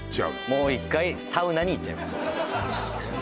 もう１回サウナにいっちゃいます